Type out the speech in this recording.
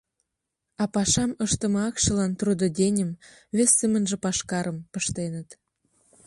А пашам ыштыме акшылан трудоденьым, вес семынже пашкарым, пыштеныт.